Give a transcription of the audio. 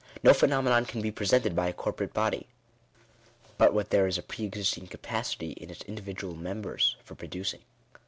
No phenomenon can be presented by a corporate bgdy, but what there is a pre existing capacity in its individual members for producing.